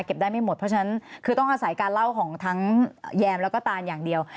ได้ไม่หมดเพราะฉะนั้นคือต้องอาศัยการเล่าของทั้งแยมแล้วก็ตานอย่างเดียว